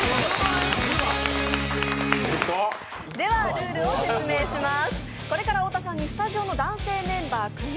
ルールを説明します。